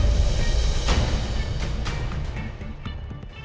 dia mengaku bahwa dia berpengalaman